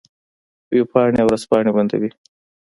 وېبپاڼې او ورځپاڼې بندوي.